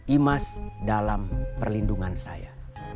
imas dalam perlindungan saya